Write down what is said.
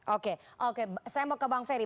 oke oke saya mau ke bang ferry